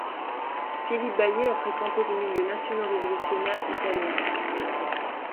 Philippe Baillet a fréquenté les milieux nationaux-révolutionnaires italiens.